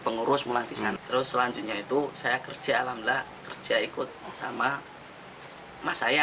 pengurus mulai di sana terus selanjutnya itu saya kerja alhamdulillah kerja ikut sama mas saya